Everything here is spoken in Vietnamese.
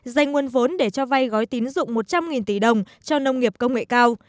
dành nguồn vốn để cho vay gói tín dụng một trăm linh tỷ đồng cho nông nghiệp công nghệ cao